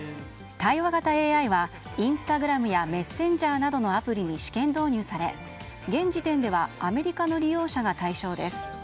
対話型ＡＩはインスタグラムやメッセンジャーなどのアプリに試験導入され、現時点ではアメリカの利用者が対象です。